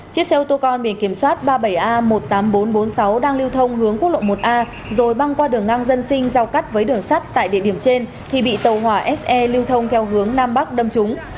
chiếc xe ô tô con biển kiểm soát ba mươi bảy a một mươi tám nghìn bốn trăm bốn mươi sáu đang lưu thông hướng quốc lộ một a rồi băng qua đường ngang dân sinh giao cắt với đường sắt tại địa điểm trên thì bị tàu hỏa se lưu thông theo hướng nam bắc đâm trúng